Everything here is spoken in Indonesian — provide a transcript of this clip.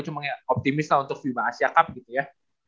cuma optimis lah untuk fiba asia cup gitu ya